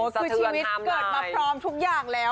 สะทืวศ์ก่อนท่ามนาย